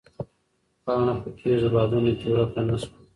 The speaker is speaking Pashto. پاڼه په تېزو بادونو کې ورکه نه شوه.